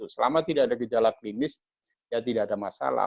selama tidak ada gejala klinis ya tidak ada masalah